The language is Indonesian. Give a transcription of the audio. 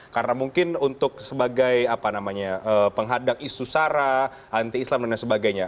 karena mungkin untuk sebagai apa namanya penghadang isu sara anti islam dan lain sebagainya